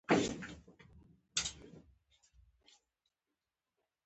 اوبه د شفقت نښه ده.